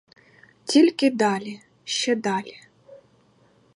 Тільки далі, ще далі.